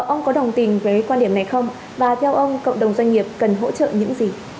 ông có đồng tình với quan điểm này không và theo ông cộng đồng doanh nghiệp cần hỗ trợ những gì